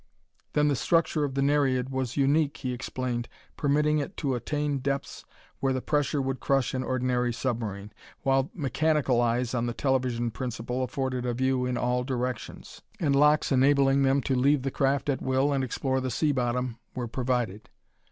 Then, the structure of the Nereid was unique, he explained, permitting it to attain depths where the pressure would crush an ordinary submarine, while mechanical eyes on the television principle afforded a view in all directions, and locks enabling them to leave the craft at will and explore the sea bottom were provided.